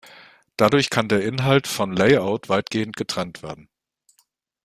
Dadurch kann Inhalt von Layout weitgehend getrennt werden.